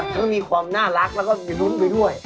ก็มีความน่ารักแล้วก็รุ้นไปด้วย